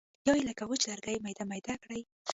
یا یې لکه وچ لرګی میده میده کړي.